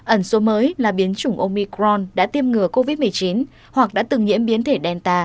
ẩn số mới là biến chủng omicron đã tiêm ngừa covid một mươi chín hoặc đã từng nhiễm biến thể delta